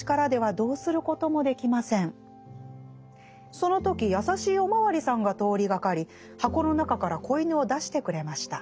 「その時やさしいおまわりさんが通りがかり箱の中から仔犬を出してくれました。